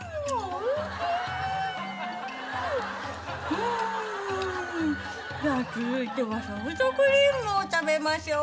じゃあ続いてはソフトクリームを食べましょう。